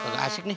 nggak asik nih